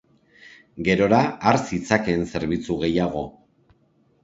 Gerora, har zitzakeen zerbitzu gehiago.